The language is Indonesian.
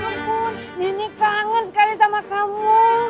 ya ampun nenek kangen sekali sama kamu